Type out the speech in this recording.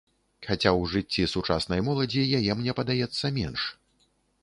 Хаця ў жыцці сучаснай моладзі яе, мне падаецца, менш.